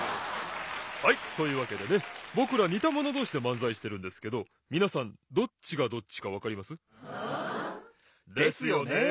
はいというわけでねぼくらにたものどうしでまんざいしてるんですけどみなさんどっちがどっちかわかります？ですよね？